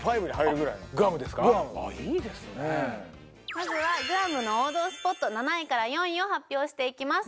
まずはグアムの王道スポット７位から４位を発表していきます